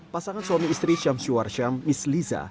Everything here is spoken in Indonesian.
pasangan suami istri syamsuar syam miss liza